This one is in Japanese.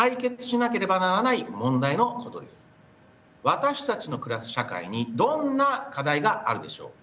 私たちの暮らす社会にどんな課題があるでしょう？